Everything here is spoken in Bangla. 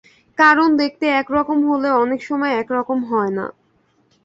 কারণ দেখতে এক রকম হলেও অনেক সময় এক রকম হয় না।